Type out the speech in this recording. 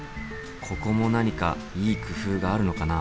ここも何かいい工夫があるのかな？